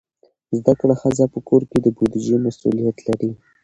زده کړه ښځه په کور کې د بودیجې مسئولیت لري.